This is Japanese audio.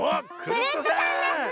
クルットさんダス！